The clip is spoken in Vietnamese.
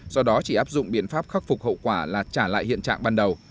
do đó chỉ áp dụng biện pháp khắc phục hậu quả là trả lại hiện trạng ban đầu